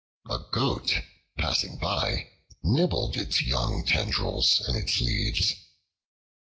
A Goat, passing by, nibbled its young tendrils and its leaves.